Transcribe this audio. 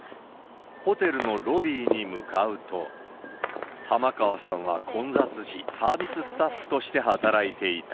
ホテルのロビーに向かうと、濱川さんは混雑時、サービススタッフとして働いていた。